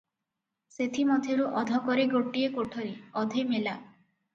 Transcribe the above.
ସେଥିମଧ୍ୟରୁ ଅଧକରେ ଗୋଟିଏ କୋଠରୀ, ଅଧେ ମେଲା ।